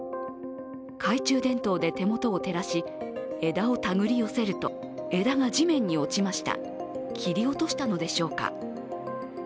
懐中電灯で手元を照らし枝を手繰り寄せると枝が地面に落ちました切り落としたのでしょうか。